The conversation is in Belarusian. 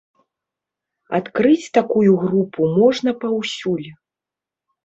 Адкрыць такую групу можна паўсюль.